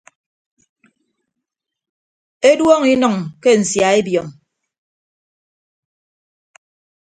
Eduọñọ inʌñ ke nsia ebiọñ.